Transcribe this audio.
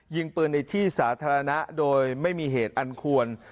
ยิงปืนในที่สาธารณะโดยไม่มีเหตุอันควร